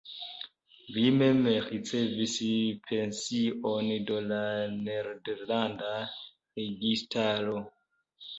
Li mem ricevis pension de la nederlanda registaro.